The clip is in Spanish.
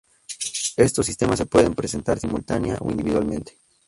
Estos sistemas se pueden presentar simultánea o individualmente.